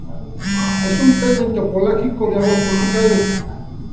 Es un pez bentopelágico de aguas tropicales.